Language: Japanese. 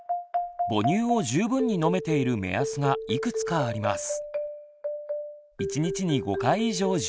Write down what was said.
「母乳を十分に飲めている目安」がいくつかあります。